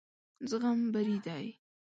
زغم بري دی.